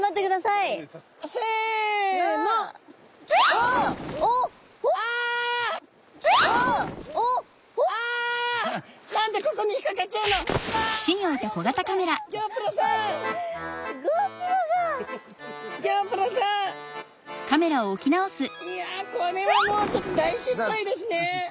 いやこれはもうちょっと大失敗ですね。